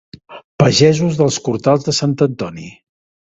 Pagesos dels Cortals de Sant Antoni.